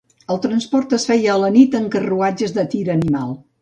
El transport es feia a la nit en carruatges de tir animal.